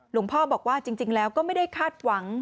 หลวงพ่อบอกว่าจริงแล้วก็ไม่ได้คาดหวัง